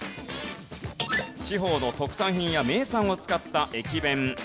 地方の特産品や名産を使った駅弁。